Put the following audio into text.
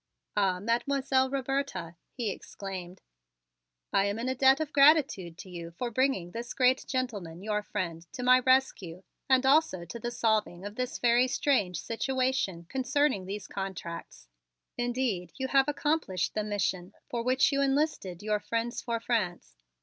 "Ah, Mademoiselle Roberta," he exclaimed, "I am in a debt of gratitude to you for bringing this great gentleman, your friend, to my rescue and also to the solving of this very strange situation concerning these contracts. Indeed have you accomplished the mission for which you enlisted: your 'Friends for France.'